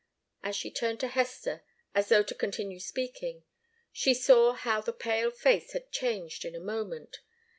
As she turned to Hester, as though to continue speaking, she saw how the pale face had changed in a moment.